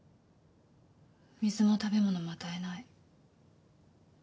水も食べ物も与えない。